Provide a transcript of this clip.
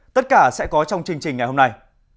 tất cả sẽ có trong chương trình ngày hôm nay